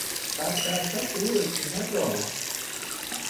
صد در صد به او اطمینان دارم.